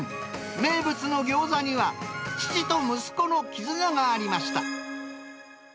名物のギョーザには、父と息子の絆がありました。